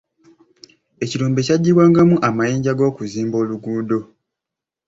Ekirombe kyaggybwangamu amayinja g'okuzimba oluguudo.